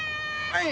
はい！